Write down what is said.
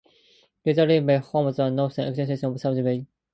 Grizzly Bay forms a northern extension of Suisun Bay.